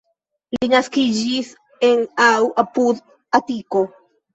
Li naskiĝis en aŭ apud Atiko.